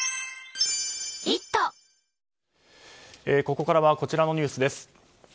ここからはこちらのニュースです。